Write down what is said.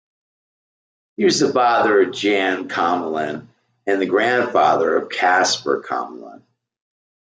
He was the father of Jan Commelin and the grandfather of Caspar Commelin.